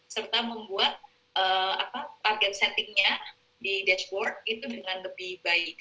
serta membuat target settingnya di dashboard itu dengan lebih baik